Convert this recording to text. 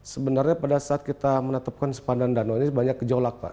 sebenarnya pada saat kita menetapkan sepandan danau ini banyak gejolak pak